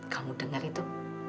kamu dengar itu